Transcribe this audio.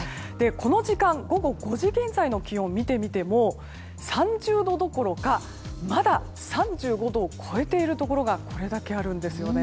この時間、午後５時現在の気温を見てみても３０度どころかまだ３５度を超えているところがこれだけあるんですよね。